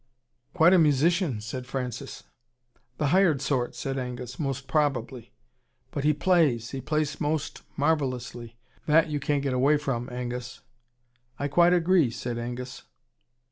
"Quite a musician," said Francis. "The hired sort," said Angus, "most probably." "But he PLAYS he plays most marvellously. THAT you can't get away from, Angus." "I quite agree," said Angus.